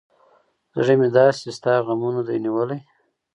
زړه مې داسې ستا غمونه دى نيولى.